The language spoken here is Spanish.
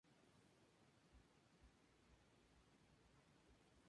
Red convence al resto de la pandilla y juntos asesinan a Guerrero.